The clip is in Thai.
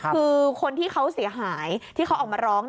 คือคนที่เขาเสียหายที่เขาออกมาร้อง